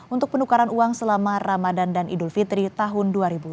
untuk penukaran uang selama ramadan dan idul fitri tahun dua ribu dua puluh